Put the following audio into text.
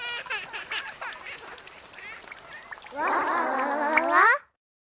わわわわわ！